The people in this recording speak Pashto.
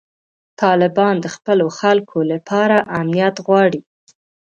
طالبان د خپلو خلکو لپاره امنیت غواړي.